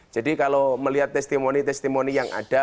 jadi kalau melihat testimoni testimoni yang ada